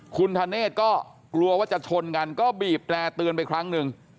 คุณธเนธก็กลัวว่าจะชนกันก็บีบแตร่เตือนไปครั้งหนึ่ง